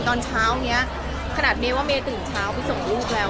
ตอนเช้านี้ขนาดเมว่าเมย์ตื่นเช้าไปส่งลูกแล้ว